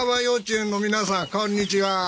幼稚園の皆さんこんにちは！